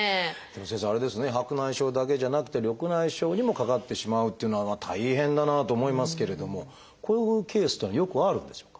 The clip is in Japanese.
先生あれですね白内障だけじゃなくて緑内障にもかかってしまうっていうのは大変だなと思いますけれどもこういうケースというのはよくあるんでしょうか？